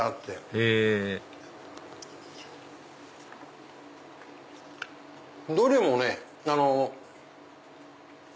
へぇどれもねあの。